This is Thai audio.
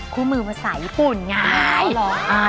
กุ้งมือภาษาญี่ปุ่นนี่ไง